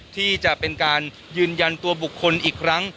ที่จะเป็นการยืนยันตัวบุคคลอีกครั้ง